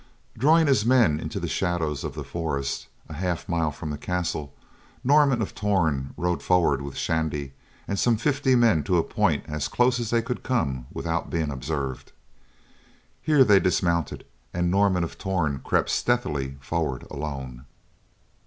Drawing his men into the shadows of the forest a half mile from the castle, Norman of Torn rode forward with Shandy and some fifty men to a point as close as they could come without being observed. Here they dismounted and Norman of Torn crept stealthily forward alone.